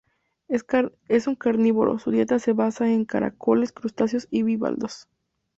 Es un carnívoro, su dieta se basa en caracoles, crustáceos y bivalvos.